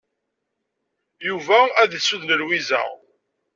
Yuba ad isuden Lwiza.